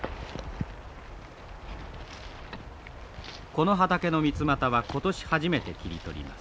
この畑のミツマタは今年初めて切り取ります。